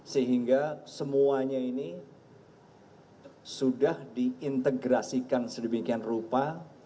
sehingga semuanya ini sudah diintegrasikan sedemikian rupa